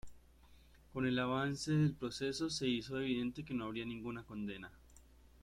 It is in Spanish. Con el avance del proceso, se hizo evidente que no habría ninguna condena.